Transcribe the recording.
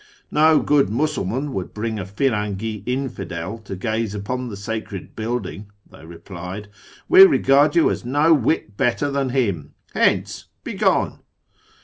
"No good Musulman would bring a Firangi infidel to gaze upon the sacred building," they replied ;" we regard you as no whit better than him. Hence ! begone